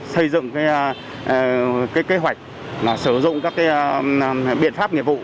xây dựng kế hoạch sử dụng các biện pháp nghiệp vụ